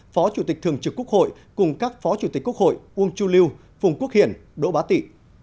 phó chủ tịch thường trực quốc hội cùng các phó chủ tịch quốc hội uông chu lưu phùng quốc hiển đỗ bá tị